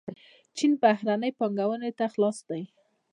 چین بهرنۍ پانګونې ته خلاص دی.